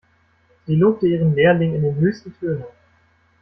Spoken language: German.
Sie lobte ihren Lehrling in den höchsten Tönen.